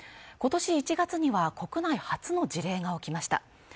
今年１月には国内初の事例が起きました